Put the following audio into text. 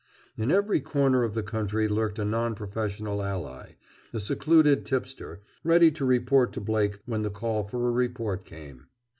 In every corner of the country lurked a non professional ally, a secluded tipster, ready to report to Blake when the call for a report came.